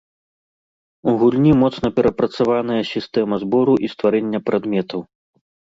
У гульні моцна перапрацаваная сістэма збору і стварэння прадметаў.